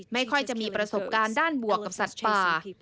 ไม่ค่อยจะมีประสบการณ์ด้านบวกกับสัตว์ป่า